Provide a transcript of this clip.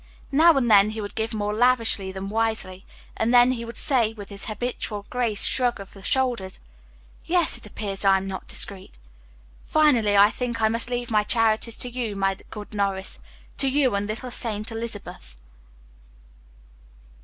Now and then he would give more lavishly than wisely, and then he would say, with his habitual graceful shrug of the shoulders "Yes, it appears I am not discreet. Finally, I think I must leave my charities to you, my good Norris to you and Little Saint Elizabeth."